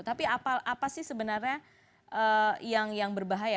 tapi apa sih sebenarnya yang berbahaya